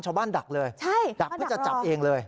ชาวบ้านดักเลยใช่ดักเพื่อจะจับเองเลย